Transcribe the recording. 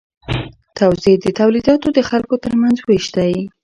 توزیع د تولیداتو د خلکو ترمنځ ویش دی.